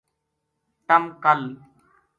تم کل